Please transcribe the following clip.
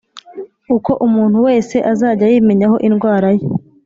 Uko umuntu wese azajya yimenyaho indwara ye